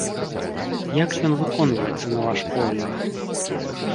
Як ён выконваецца на ваш погляд?